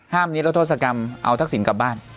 นิรัทธศกรรมเอาทักษิณกลับบ้าน